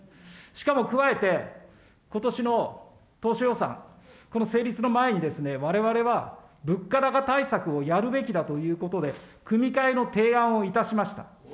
しかも加えて、ことしの当初予算、この成立の前にわれわれは、物価高対策をやるべきだということで、組み替えの提案をいたしました。